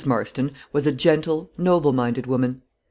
Marston was a gentle, noble minded woman.